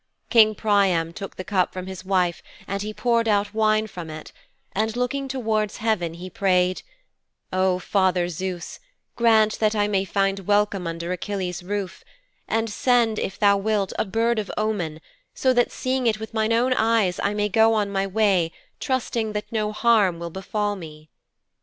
King Priam took the cup from his wife and he poured out wine from it, and looking towards heaven he prayed, "O Father Zeus, grant that I may find welcome under Achilles' roof, and send, if thou wilt, a bird of omen, so that seeing it with mine own eyes I may go on my way trusting that no harm will befall me."'